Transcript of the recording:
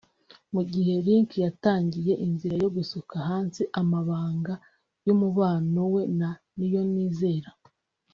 Mu gihe Rick yatangiye inzira yo gusuka hanze amabanga y’umubano we na Niyonizera